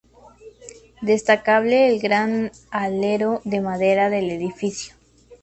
Destacable el gran alero de madera del edificio.